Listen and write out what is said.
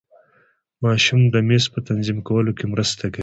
ماشوم د میز په تنظیم کولو کې مرسته کوي.